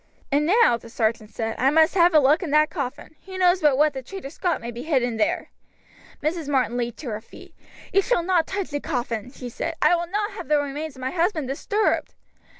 "And now," the sergeant said, "I must have a look in that coffin. Who knows but what the traitor Scot may be hid in there!" Mrs. Martin leaped to her feet. "You shall not touch the coffin," she said; "I will not have the remains of my husband disturbed."